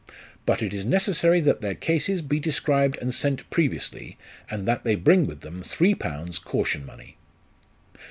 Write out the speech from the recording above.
But it is necessary that their cases be described and sent previously, and that they bring with them three pounds caution money.